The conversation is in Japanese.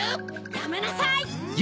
やめなさい！